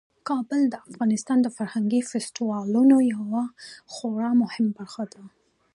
کابل د افغانستان د فرهنګي فستیوالونو یوه خورا مهمه برخه ده.